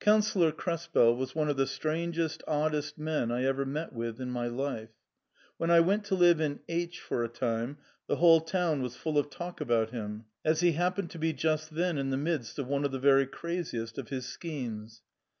COUNCILLOR KRESPEL was one of the stran gest, oddest men I ever met with in my life. When I went to live in H for a time the whole town was full of talk about him, as he happened to be just then in the midst of one of the verv craziest of his schemes.